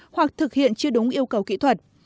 hoặc thực hiện chưa đúng yêu cầu kỹ thuật